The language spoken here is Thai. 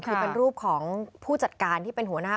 คือเป็นรูปของผู้จัดการที่เป็นหัวหน้า